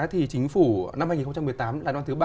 thì chính phủ năm hai nghìn một mươi tám là giai đoạn thứ ba